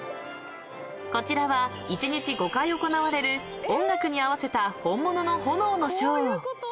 ［こちらは一日５回行われる音楽に合わせた本物の炎のショー］